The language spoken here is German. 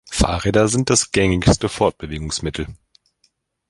Fahrräder sind das gängigste Fortbewegungsmittel.